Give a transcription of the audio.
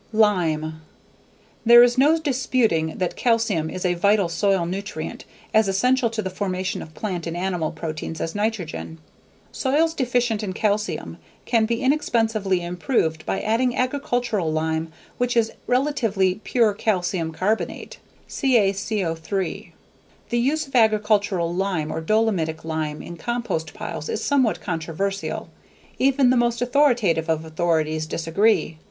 Lime. There is no disputing that calcium is a vital soil nutrient as essential to the formation of plant and animal proteins as nitrogen. Soils deficient in calcium can be inexpensively improved by adding agricultural lime which is relatively pure calcium carbonate (CaC03). The use of agricultural lime or dolomitic lime in compost piles is somewhat controversial. Even the most authoritative of authorities disagree.